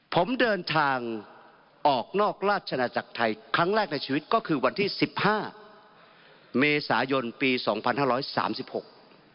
ผมเดินทางออกนอกราชนาจักรไทยครั้งแรกในชีวิตก็คือวันที่สิบห้าเมษายนปีสองพันห้าร้อยสามสิบหก